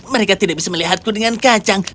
mereka tidak bisa melihatku dengan kacang